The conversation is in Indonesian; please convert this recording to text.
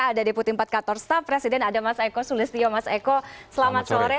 ada deputin empat k torstab presiden ada mas eko sulistio mas eko selamat sore